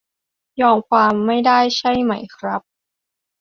ยอมความไม่ได้ใช่ไหมครับ